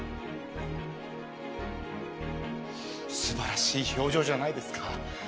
素晴らしい表情じゃないですか。